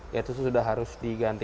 itu sudah harus diganti